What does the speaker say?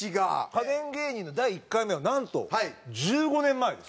家電芸人の第１回目はなんと１５年前です。